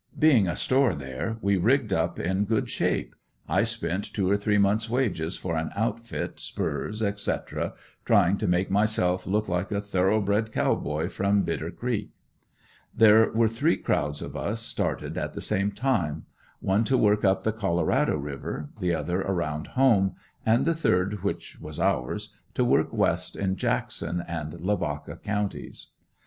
Being a store there we rigged up in good shape; I spent two or three months' wages for an outfit, spurs, etc., trying to make myself look like a thoroughbred Cow Boy from Bitter creek. There were three crowds of us started at the same time; one to work up the Colorado river, the other around home and the third which was ours, to work west in Jackson and Lavaca counties.